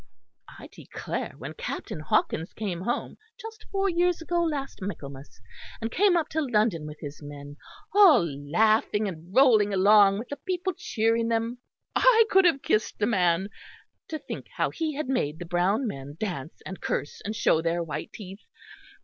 I declare when Captain Hawkins came home, just four years ago last Michaelmas, and came up to London with his men, all laughing and rolling along with the people cheering them, I could have kissed the man to think how he had made the brown men dance and curse and show their white teeth!